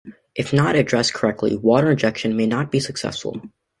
If not addressed correctly, water injection may not be successful.